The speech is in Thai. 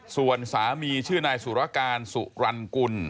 ส่วนสามีชื่อนายสุรการสุรรณกุล